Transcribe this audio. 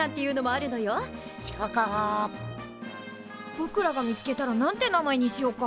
ぼくらが見つけたら何て名前にしようか？